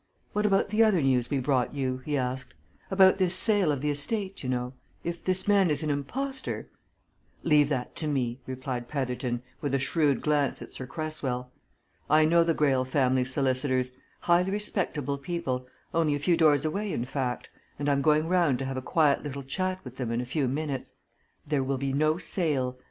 "What about the other news we brought you?" he asked. "About this sale of the estate, you know? If this man is an impostor " "Leave that to me," replied Petherton, with a shrewd glance at Sir Cresswell. "I know the Greyle family solicitors highly respectable people only a few doors away, in fact and I'm going round to have a quiet little chat with them in a few minutes. There will be no sale!